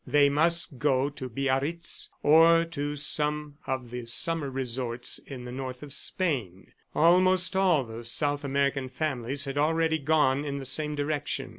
They must go to Biarritz or to some of the summer resorts in the north of Spain. Almost all the South American families had already gone in the same direction.